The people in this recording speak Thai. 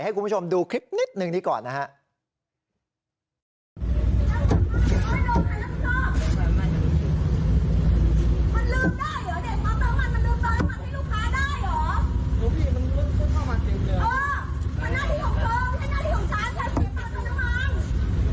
ให้คุณผู้ชมดูคลิปนิดนึงนี้ก่อนนะครับ